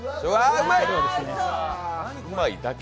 うまいだけ。